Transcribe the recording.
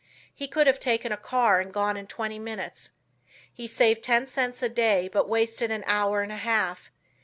He could have taken a car and gone in twenty minutes. He saved ten cents a day but wasted an hour and a half.